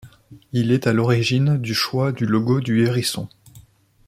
Il est à l'origine du choix du logo du hérisson.